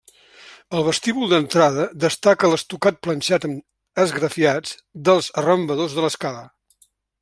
Al vestíbul d'entrada destaca l'estucat planxat amb esgrafiats dels arrambadors de l'escala.